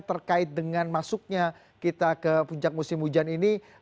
terkait dengan masuknya kita ke puncak musim hujan ini